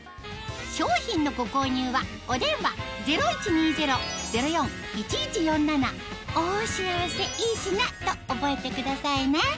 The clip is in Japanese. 商品のご購入はお電話０１２０−０４−１１４７と覚えてくださいね